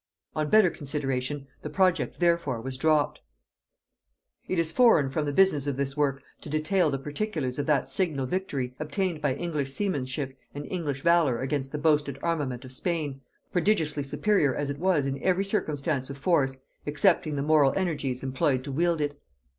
On better consideration the project therefore was dropped. It is foreign from the business of this work to detail the particulars of that signal victory obtained by English seamanship and English valor against the boasted armament of Spain, prodigiously superior as it was in every circumstance of force excepting the moral energies employed to wield it.